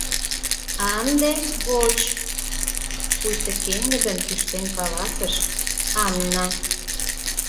— А ынде воч! — пуйто пеҥгыдын кӱштен каласыш Анна.